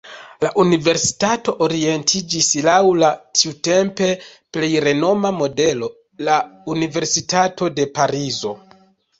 La universitato orientiĝis laŭ la tiutempe plej renoma modelo, la universitato de Parizo.